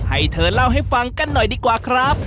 ให้เธอเล่าให้ฟังกันหน่อยดีกว่าครับ